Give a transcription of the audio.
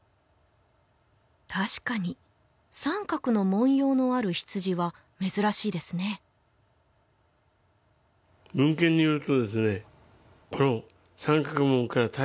確かに三角の文様のある羊は珍しいですね